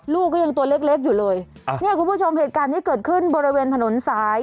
ลูกก็ยังตัวเล็กเล็กอยู่เลยเนี่ยคุณผู้ชมเหตุการณ์นี้เกิดขึ้นบริเวณถนนสาย